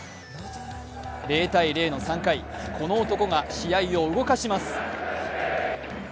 ０−０の３回、この男が試合を動かします。